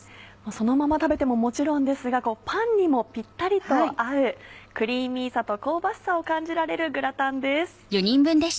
そのまま食べてももちろんですがパンにもピッタリと合うクリーミーさと香ばしさを感じられるグラタンです。